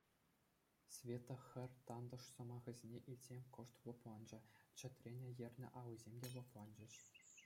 Света хӗр тантӑш сӑмахӗсене илтсен кӑшт лӑпланчӗ, чӗтрене ернӗ аллисем те лӑпланчӗҫ.